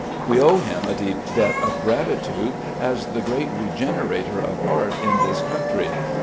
We owe him a deep debt of gratitude as the great regenerator of art in this country.